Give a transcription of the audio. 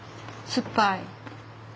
酸っぱい？